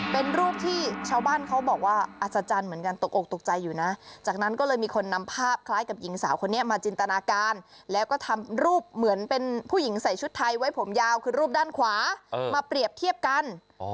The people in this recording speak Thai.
เป็นรูปที่ชาวบ้านเขาบอกว่าอัศจรรย์เหมือนกันตกอกตกใจอยู่นะจากนั้นก็เลยมีคนนำภาพคล้ายกับหญิงสาวคนนี้มาจินตนาการแล้วก็ทำรูปเหมือนเป็นผู้หญิงใส่ชุดไทยไว้ผมยาวคือรูปด้านขวามาเปรียบเทียบกัน